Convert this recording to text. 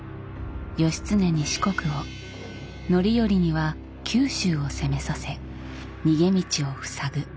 義経に四国を範頼には九州を攻めさせ逃げ道を塞ぐ。